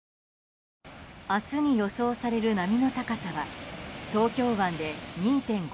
明日に予想される波の高さは東京湾で２．５ｍ。